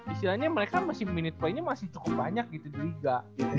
istilahnya mereka masih minute play nya masih cukup banyak gitu di liga